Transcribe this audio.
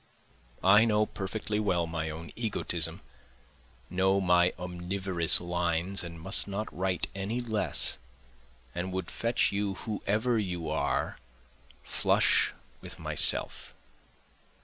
I know perfectly well my own egotism, Know my omnivorous lines and must not write any less, And would fetch you whoever you are flush with myself.